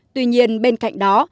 tuy nhiên bên cạnh đó